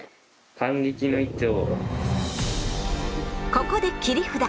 ここで切り札。